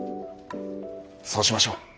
そうしましょう。